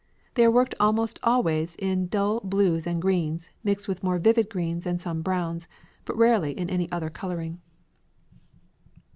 They are worked almost always in dull blues and greens mixed with more vivid greens and some browns, but rarely any other colouring."